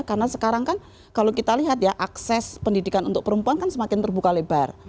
karena sekarang kan kalau kita lihat ya akses pendidikan untuk perempuan kan semakin terbuka lebar